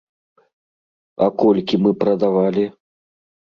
А колькi мы прадавалi?..